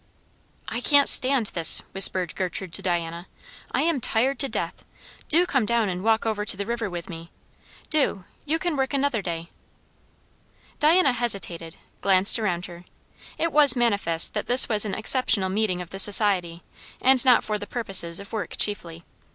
"I can't stand this," whispered Gertrude to Diana; "I am tired to death. Do come down and walk over to the river with me. Do! you can work another day." Diana hesitated; glanced around her. It was manifest that this was an exceptional meeting of the society, and not for the purposes of work chiefly.